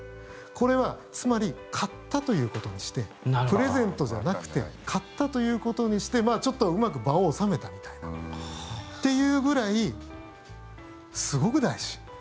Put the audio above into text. これはつまり買ったということにしてプレゼントじゃなくて買ったということにしてちょっとうまく場を収めたみたいな。っていうぐらいすごく大事。